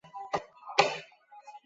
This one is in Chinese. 这项工程由中国承建。